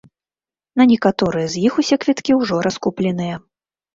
На некаторыя з іх усе квіткі ўжо раскупленыя.